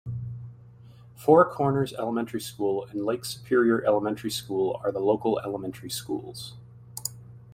Four Corners Elementary School and Lake Superior Elementary School are the local elementary schools.